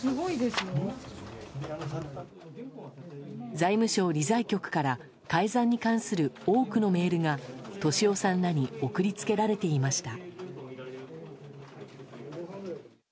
財務省理財局から改ざんに関する多くのメールが俊夫さんらに送り付けられていました。